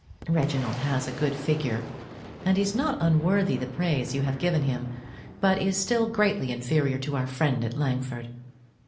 Reginald has a good figure and is not unworthy the praise you have heard given him, but is still greatly inferior to our friend at Langford.